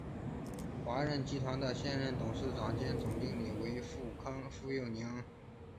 华润集团的现任董事长兼总经理为傅育宁。